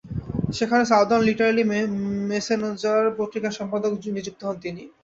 সেখানে Southern Literary Messenger পত্রিকার সম্পাদক নিযুক্ত হন তিনি।